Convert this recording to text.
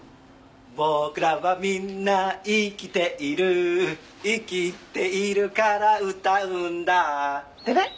「ぼくらはみんな生きている」「生きているから歌うんだ」ってね！